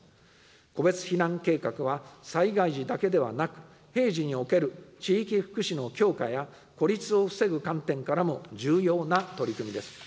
個別避難計画は、災害時だけではなく、平時における地域福祉の強化や、孤立を防ぐ観点からも重要な取り組みです。